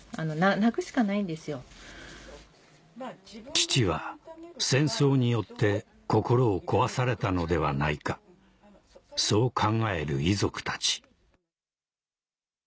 父は戦争によって心を壊されたのではないかそう考える遺族たち